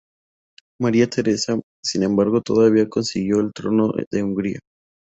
María Teresa, sin embargo, todavía consiguió el trono de Hungría.